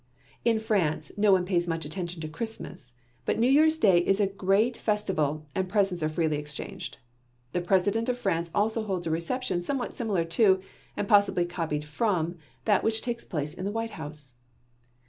In France, no one pays much attention to Christmas, but New Year's day is a great festival and presents are freely exchanged. The President of France also holds a reception somewhat similar to, and possibly copied from, that which takes place in the White House.